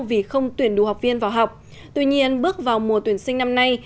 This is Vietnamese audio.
vì không tuyển đủ học viên vào học tuy nhiên bước vào mùa tuyển sinh năm nay